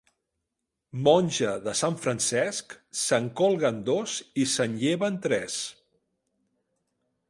Monja de sant Francesc, se'n colguen dos i se'n lleven tres.